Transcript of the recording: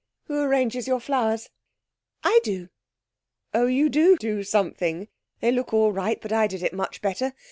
'Who arranges your flowers?' 'I do.' 'Oh, you do do something! They look all right but I did it much better.